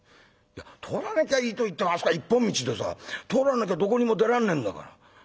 「いや通らなきゃいいと言ってもあそこは一本道でさ通らなきゃどこにも出らんねえんだから」。